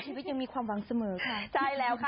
ที่พี่ยังมีความหวังเสมอค่ะ